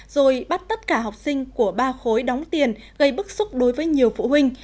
rồi bắt tất cả học sinh của ba khối đóng tiền gây bức xúc đối với nhiều phụ huynh